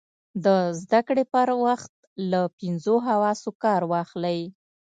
د زده کړې پر وخت له پینځو حواسو کار واخلئ.